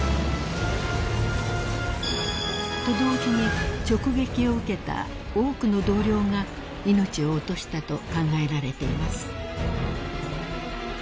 ［と同時に直撃を受けた多くの同僚が命を落としたと考えられています］